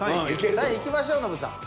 ３位いきましょノブさん。